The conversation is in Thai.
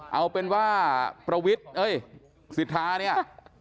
เอาเป็นว่าประวิทย์เอ้ยสิทธาเนี่ย